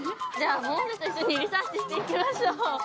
桃瀬と一緒にリサーチしていきましょう。